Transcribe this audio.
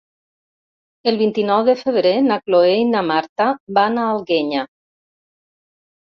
El vint-i-nou de febrer na Cloè i na Marta van a l'Alguenya.